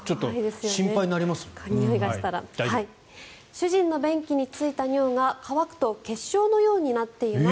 主人の便器についた尿が乾くと結晶のようになっています。